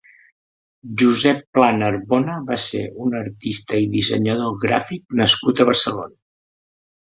Josep Pla-Narbona va ser un artista i dissenyador gràfic nascut a Barcelona.